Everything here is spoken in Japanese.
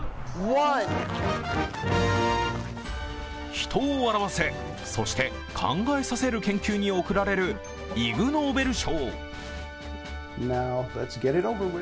人を笑わせ、そして考えさせる研究に贈られるイグ・ノーベル賞。